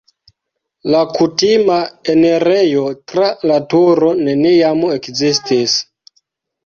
La kutima enirejo tra la turo neniam ekzistis.